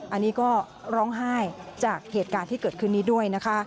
อันนี้ก็ร้องไห้จากเหตุการณ์ที่เกิดขึ้นนี้ด้วยนะคะ